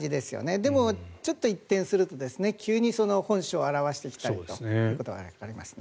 でも、ちょっと一転すると急に本性を現してきたりということがありますね。